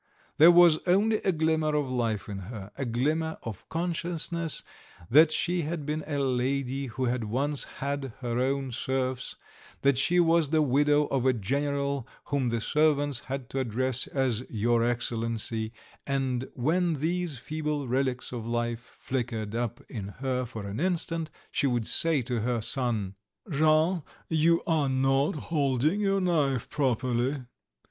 There was only a glimmer of life in her, a glimmer of consciousness that she had been a lady who had once had her own serfs, that she was the widow of a general whom the servants had to address as "your Excellency"; and when these feeble relics of life flickered up in her for an instant she would say to her son: "Jean, you are not holding your knife properly!"